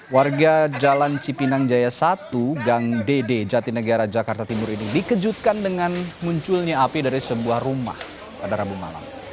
warga jalan cipinang jaya satu gang dede jatinegara jakarta timur ini dikejutkan dengan munculnya api dari sebuah rumah pada rabu malam